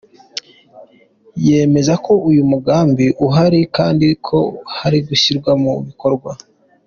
Yemeza ko uyu mugambi uhari kandi ko uri hafi gushyirwa mu bikorwa.